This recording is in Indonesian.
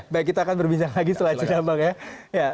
baik kita akan berbincang lagi selanjutnya bang ya